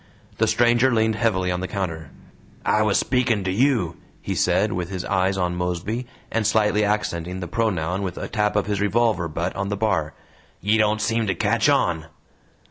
The stranger leaned heavily on the counter. "I was speaking to YOU," he said, with his eyes on Mosby, and slightly accenting the pronoun with a tap of his revolver butt on the bar. "Ye don't seem to catch on."